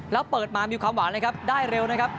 แล้วเปิดมามีความหวานเลยครับได้เร็วนะครับ